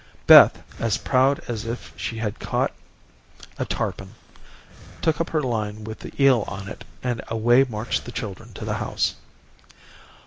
Beth, as proud as if she had caught a tarpon, took up her line with the eel on it, and away marched the children to the house.